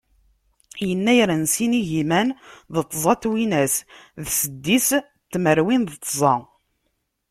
Yennayer n sin igiman d tẓa twinas d seddis tmerwin d tẓa.